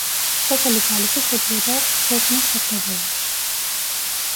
სოფელი ძალისი შედიოდა წილკნის საკრებულოში.